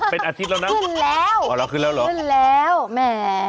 เป็นอาทิตย์แล้วนะขึ้นแล้วอ๋อแล้วขึ้นแล้วเหรอขึ้นแล้วแหม